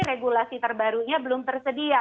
regulasi terbarunya belum tersedia